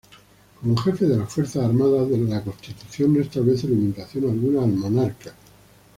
Como Jefe de las Fuerzas Armadas la Constitución no establece limitación alguna al monarca.